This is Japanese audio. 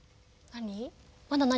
何？